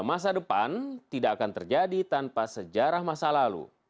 masa depan tidak akan terjadi tanpa sejarah masa lalu